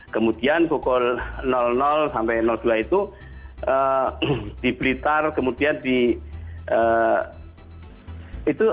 kemudian pukul sampai dua itu di blitar kemudian di itu